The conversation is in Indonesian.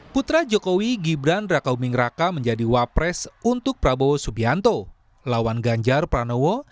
putra jokowi gibran raka uming raka menjadi wapres untuk prabowo subianto lawan ganjar pranowo